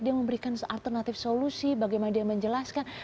dia memberikan alternatif solusi bagaimana dia menjelaskan